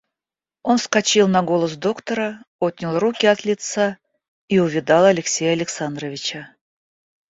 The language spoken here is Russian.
Он вскочил на голос доктора, отнял руки от лица и увидал Алексея Александровича.